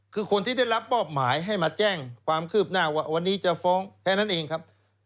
คือคนที่ได้รับมอบหมายให้มาแจ้งความคืบหน้าว่าวันนี้จะฟ้องแค่นั้นเองครับ